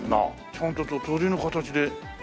ちゃんと鳥の形で。